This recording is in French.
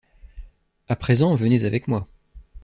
À présent, venez avec moi.